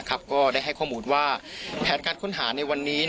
ก็ได้ให้ข้อมูลว่าแผนการค้นหาในวันนี้